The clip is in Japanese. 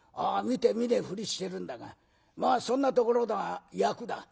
見て見ねえふりしてるんだがまあそんなところだ役だ。